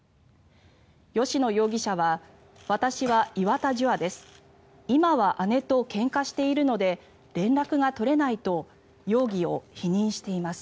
吉野容疑者は私は岩田樹亞です